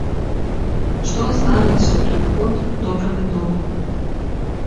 Што здарылася ў той год, добра вядома.